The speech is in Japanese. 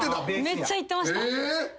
めっちゃ行ってました。